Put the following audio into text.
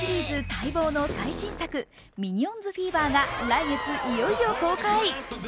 待望の最新作、「ミニオンズフィーバー」が来月いよいよ公開。